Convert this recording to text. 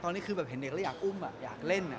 ตอนนี้คือแบบเห็นเด็กแล้วอยากอุ้มอยากเล่น